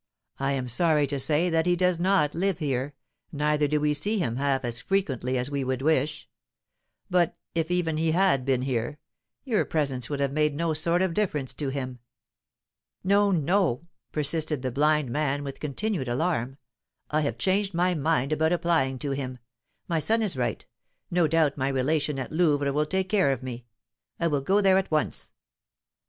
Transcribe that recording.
I am sorry to say that he does not live here, neither do we see him half as frequently as we could wish. But, if even he had been here, your presence would have made no sort of difference to him." "No, no," persisted the blind man with continued alarm; "I have changed my mind about applying to him. My son is right. No doubt my relation at Louvres will take care of me. I will go there at once."